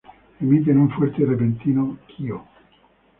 Emiten un fuerte y repentino "kio".